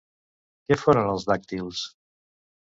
Què foren els dàctils?